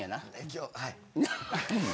今日はい。